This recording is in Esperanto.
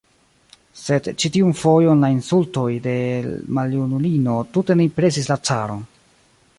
Sed ĉi tiun fojon la insultoj de l' maljunulino tute ne impresis la caron.